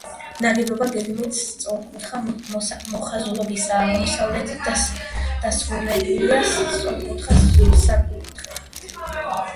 ნაგებობა გეგმით სწორკუთხა მოხაზულობისაა, აღმოსავლეთით დასრულებულია სწორკუთხა საკურთხევლით.